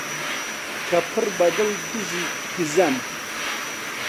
کە پڕبەدڵ دژی گزەم؟!